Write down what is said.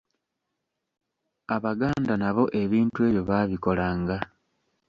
Abaganda nabo ebintu ebyo baabikolanga.